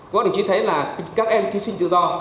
có đồng chí thấy là các em thí sinh tự do